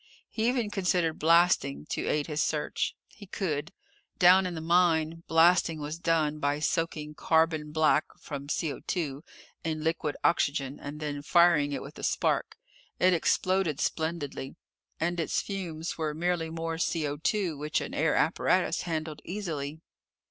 He even considered blasting, to aid his search. He could. Down in the mine, blasting was done by soaking carbon black from CO in liquid oxygen, and then firing it with a spark. It exploded splendidly. And its fumes were merely more CO which an air apparatus handled easily.